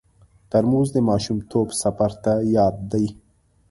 ترموز د ماشومتوب سفر ته یاد دی.